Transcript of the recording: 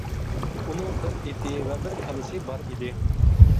ئۇنىڭ بىر ئېتى ۋە بىر كالىسى بار ئىدى.